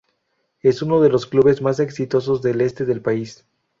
Es uno de los clubes más exitosos del este del país.